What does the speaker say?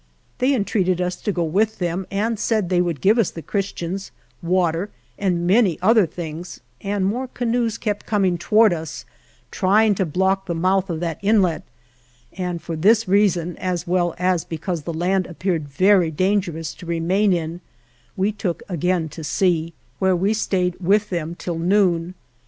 They entreated us to go with them, and said that they would give us the Christians, water and many other things, and more canoes kept coming towards us, trying to block the mouth of that inlet, and for this reason, as well as because the land appeared very dangerous to remain in, we took again to sea, where we stayed with them till noon.